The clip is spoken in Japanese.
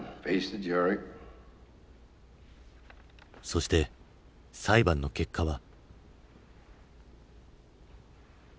そして裁判の結果は。